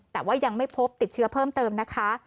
แต่ว่ายังไม่พบติดเชื้อเพิ่มเติมนะคะ